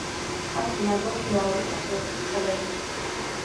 აქ ბინადრობს მრავალი სახეობის ცხოველი.